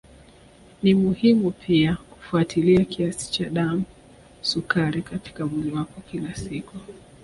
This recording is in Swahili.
Ni muhimu pia kufuatilia kiasi cha damu sukari katika mwili wako kila siku